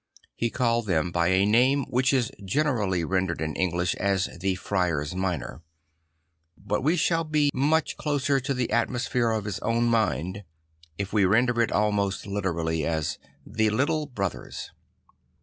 He called them by a name which is generally rendered in English as the Friars Minor; but we shall be much closer to the atmosphere of his own mind if we render it almost literally as The Little Brothers.